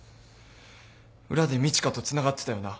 裏で路加とつながってたよな？